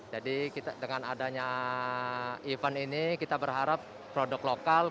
jadi dengan adanya event ini kita berharap produk lokal